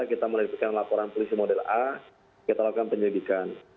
kita menerbitkan laporan polisi model a kita lakukan penyelidikan